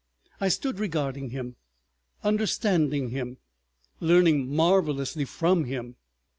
... I stood regarding him, understanding him, learning marvelously from him.